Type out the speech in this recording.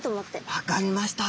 分かりました。